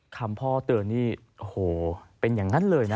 คำพ่อเตือนนี่โอ้โหเป็นอย่างนั้นเลยนะ